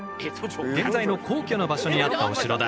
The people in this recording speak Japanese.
現在の皇居の場所にあったお城だ。